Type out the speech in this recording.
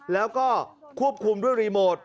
แล้วก็ควบคุมด้วยรีโมท